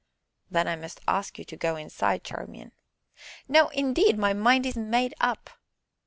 "Then I must ask you to go inside, Charmian." "No, indeed, my mind is made up."